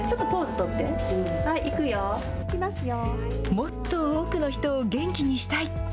もっと多くの人を元気にしたい。